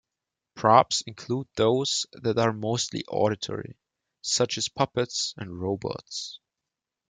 Props include those that are mostly auditory, such as puppets and robots.